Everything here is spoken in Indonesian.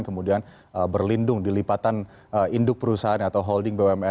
kemudian berlindung di lipatan induk perusahaan atau holding bumn